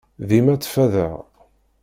Dima ttfadeɣ.